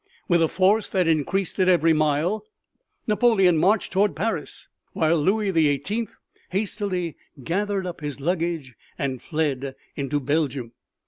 With a force that increased at every mile Napoleon marched toward Paris, while Louis the Eighteenth hastily gathered up his luggage and fled into Belgium.